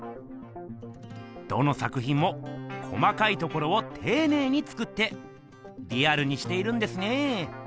どの作ひんも細かいところをていねいに作ってリアルにしているんですね。